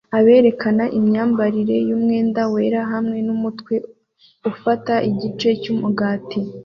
Aberekana imyambarire yumwenda wera hamwe numutwe ufata igice cyumugati